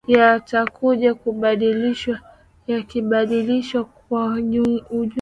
yatakuja kubadilishwa yakibadilishwa kwa ujumla